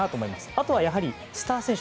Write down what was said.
あとはやはりスター選手。